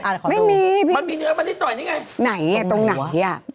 อ้าวแต่ขอดูไม่มีพี่มันมีเนื้อมันนิดหน่อยนี่ไง